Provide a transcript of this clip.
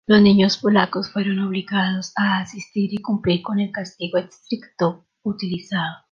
Los niños polacos fueron obligados a asistir y cumplir con el castigo estricto utilizado.